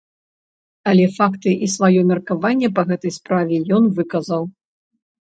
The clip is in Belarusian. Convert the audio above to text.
Але факты і сваё меркаванне па гэтай справе ён выказаў.